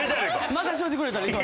任しといてくれたらいい。